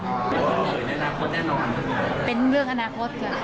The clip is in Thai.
อยู่ในอนาคตแน่นอนหรือเปล่า